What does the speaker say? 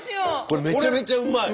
これめちゃめちゃうまい！